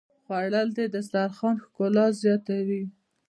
خوړل د دسترخوان ښکلا زیاتوي